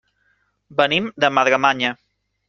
Venim de Madremanya.